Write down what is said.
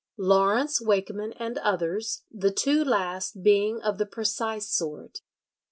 Lawrence Wakeman and others, ... the two last being of the precise sort."